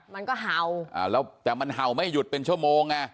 มันก็เห่าอ่าแล้วแต่มันเห่าไม่หยุดเป็นชั่วโมงไง